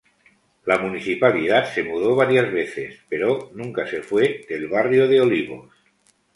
La Municipalidad se mudó varias veces, pero nunca se fue del barrio de Olivos.